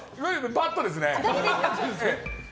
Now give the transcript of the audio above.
バッドですね。